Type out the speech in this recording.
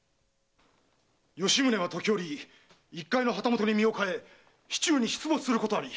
「吉宗はときおり一介の旗本に身をかえ市中に出没することあり。